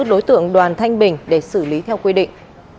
đối tượng đoàn thanh bình để xử lý theo quy định